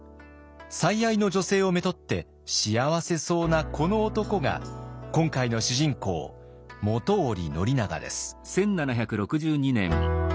最愛の女性をめとって幸せそうなこの男が今回の主人公本居宣長です。